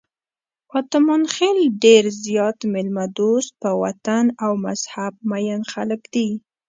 اتمانخېل ډېر زیات میلمه دوست، په وطن او مذهب مېین خلک دي.